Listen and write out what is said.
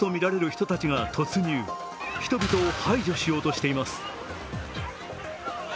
人々を排除しようとしています。